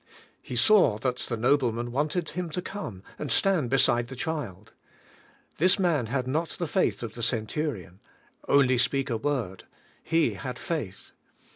He saw that the nobleman wanted Him to come and stand be side the child. This man had not the faith of the centurion — "Onl}^ speak a word." He had faith.